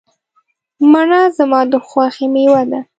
مڼه زما د خوښې مېوه ده.